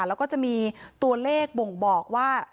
แล้วก็จะมีตัวเลขบ่งบอกว่า